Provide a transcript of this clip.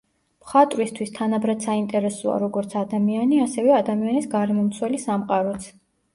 მხატვრისთვის თანაბრად საინტერესოა, როგორც ადამიანი, ასევე ადამიანის გარემომცველი სამყაროც.